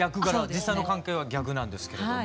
実際の関係は逆なんですけれども。